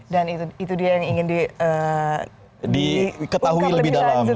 dan itu dia yang ingin diungkap lebih dalam